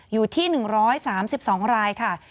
อยู่ที่๑๓๒รายค่ะ